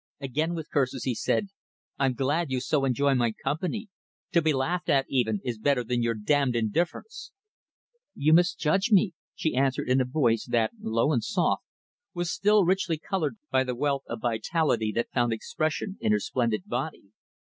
Again, with curses, he said, "I'm glad you so enjoy my company. To be laughed at, even, is better than your damned indifference." "You misjudge me," she answered in a voice that, low and soft, was still richly colored by the wealth of vitality that found expression in her splendid body.